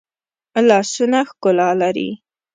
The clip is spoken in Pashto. لاسونه ښکلا لري